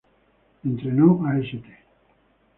Entrenó a St.